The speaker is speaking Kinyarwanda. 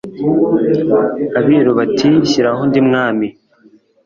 abiru bati shyiraho undi mwami